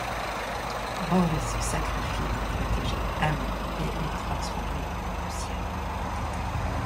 Rory se sacrifie pour protéger Amy et est transformé en poussière.